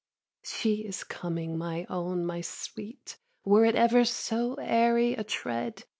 11. She is coming, my own, my sweet; Were it ever so airy a tread.